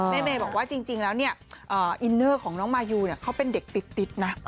เมย์บอกว่าจริงแล้วเนี่ยอินเนอร์ของน้องมายูเขาเป็นเด็กติดนะ